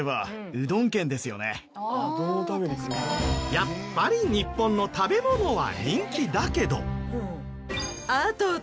やっぱり日本の食べ物は人気だけど。